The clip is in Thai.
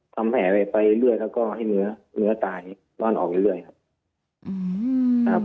ทำแผลไปเรื่อยแล้วก็ให้เนื้อตายร่อนออกเรื่อยครับ